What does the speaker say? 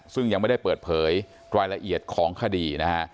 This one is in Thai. ซึ่งยังไม่ได้เปิดเผยรายละเอียดของคดีนะฮะ